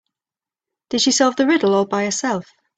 Did she solve the riddle all by herself?